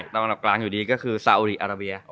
ตามอันดับกลางอยู่ดีก็คือซาอุดีอาราเบีย